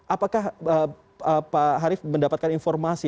apakah pak harif mendapatkan informasi